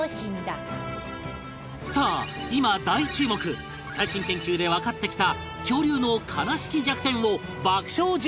さあ今大注目最新研究でわかってきた恐竜の悲しき弱点を爆笑授業